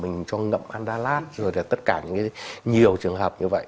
mình cho ngậm andalat rồi là tất cả những cái nhiều trường hợp như vậy